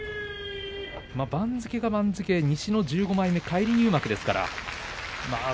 番付が番付、西の１５枚目返り入幕ですから。